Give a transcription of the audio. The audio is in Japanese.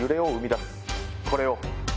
これを。